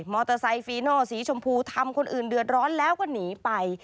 อเตอร์ไซคีโน่สีชมพูทำคนอื่นเดือดร้อนแล้วก็หนีไป